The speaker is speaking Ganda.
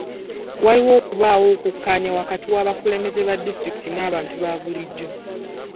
Walina okubaawo okukkaanya wakati w'abakulembeze ba disitulikiti n'abantu ba bulijjo.